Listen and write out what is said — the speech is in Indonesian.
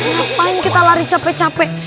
ngapain kita lari capek capek